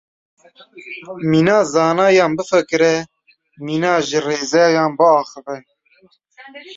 Mîna zanayan bifikire, mîna jirêzêyan biaxive.